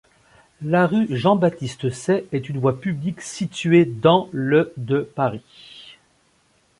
La rue Jean-Baptiste-Say est une voie publique située dans le de Paris.